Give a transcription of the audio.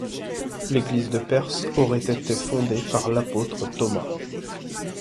L'Église de Perse aurait été fondée par l'apôtre Thomas.